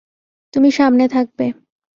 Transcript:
তুমি সামনে থাকবে।